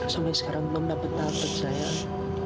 sampai sekarang kamu dapat dapat sayang